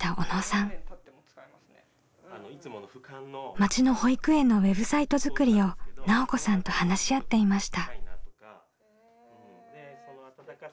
町の保育園のウェブサイト作りを奈緒子さんと話し合っていました。